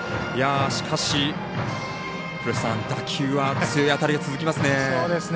しかし、打球は強い当たりが続きますね。